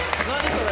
それ。